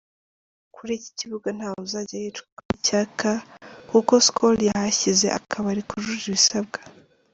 Kuri iki kibuga ntawuzajya yicwa n'icyaka kuko Skol yahashyize akabari kujuje ibisabwa.